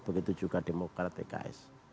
begitu juga demokrat pks